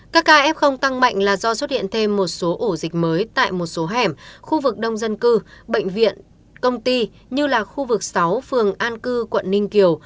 các ca f tăng mạnh là do xuất hiện thêm một số ổ dịch mới tại một số hẻm khu vực đông dân cư bệnh viện công ty như là khu vực sáu phường an cư quận ninh kiều